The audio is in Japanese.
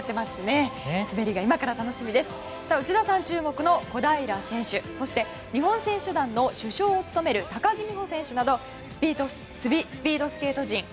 注目の小平選手そして日本選手団の主将を務める高木美帆選手などスピードスケート陣